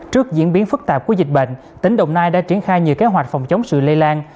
trước diễn biến phức tạp của dịch bệnh tỉnh đồng nai đã triển khai nhiều kế hoạch phòng chống sự lây lan